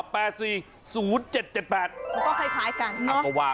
มันก็คล้ายกัน